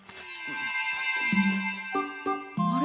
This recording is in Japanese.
あれ？